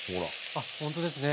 あっほんとですね。